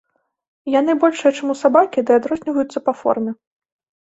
Яны большыя, чым у сабакі, ды адрозніваюцца па форме.